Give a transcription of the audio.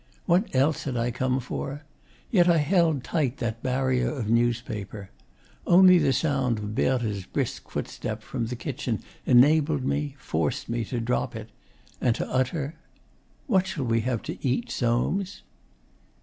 What else had I come for? Yet I held tight that barrier of newspaper. Only the sound of Berthe's brisk footstep from the kitchen enabled me, forced me, to drop it, and to utter: 'What shall we have to eat, Soames?